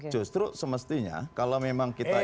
justru semestinya kalau memang kita